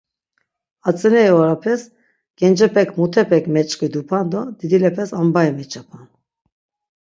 Atzineri orapes gencepek mutepek meç̆k̆vidupan do didilepes ambai meçapan.